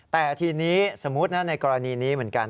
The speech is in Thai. แต่ทีนี้สมมุตินะในกรณีนี้เหมือนกัน